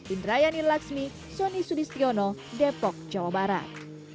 indrayani laksmi soni sudistiono depok jawa barat